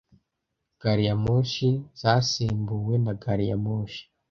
Gari ya moshi zasimbuwe na gari ya moshi.